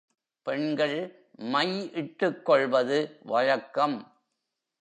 பெண்கள் மை இட்டுக் கொள்வது வழக்கம்.